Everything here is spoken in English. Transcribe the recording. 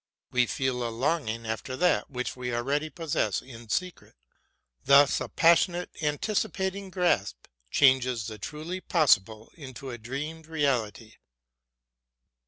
We feel a longing after that which we already possess in secret. Thus a passionate anticipating grasp changes the truly possible into a dreamed reality.